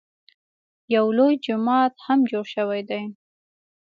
یو لوی جومات هم جوړ شوی دی.